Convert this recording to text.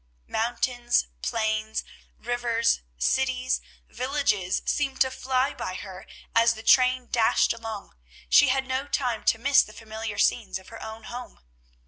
Mountains, plains, rivers, cities, villages, seemed to fly by her as the train dashed along. She had no time to miss the familiar scenes of her own home.